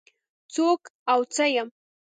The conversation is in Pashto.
څوک او څه يم؟